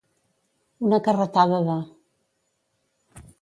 Una carretada de.